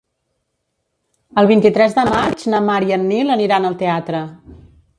El vint-i-tres de maig na Mar i en Nil aniran al teatre.